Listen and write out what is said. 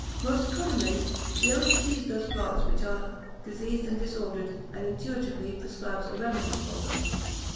Most commonly, he only sees those parts which are diseased and disordered, and intuitively prescribes a remedy for them.